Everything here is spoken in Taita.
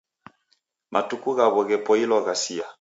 Matuku ghaw'o ghepoilwa ghasia.